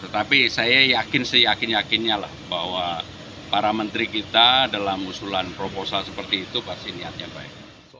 tetapi saya yakin seyakin yakinnya lah bahwa para menteri kita dalam usulan proposal seperti itu pasti niatnya baik